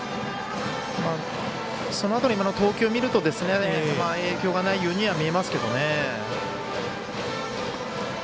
そのあとの投球を見ると影響がないようには見えますけどね。